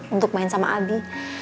untuk main sama abi